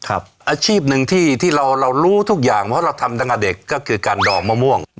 อาชีพหนึ่งที่เรารู้ทุกอย่างเพราะเราทำตั้งแต่เด็กก็คือการดองมะม่วง